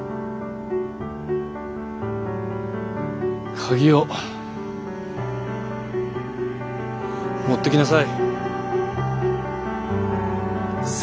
鍵を持ってきなさい。